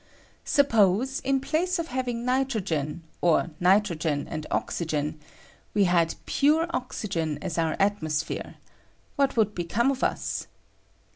Sup pose, in place of having nitrogen, or nitrogen and oxygen, we had pure oxygen as our atmos phere; what would become of us?